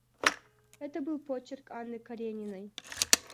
Это был почерк Анны Карениной.